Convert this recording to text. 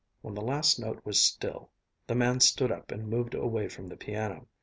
When the last note was still, the man stood up and moved away from the piano.